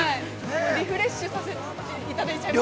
リフレッシュさせていただいちゃいました。